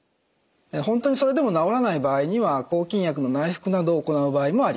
本当にそれでも治らない場合には抗菌薬の内服などを行う場合もあります。